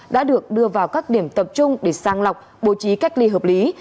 đã được đưa vào các điểm tập trung để sang lọc bố trí cách ly hợp lý